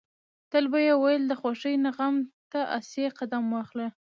تل به يې ويل د خوښۍ نه غم ته اسې قدم واخله.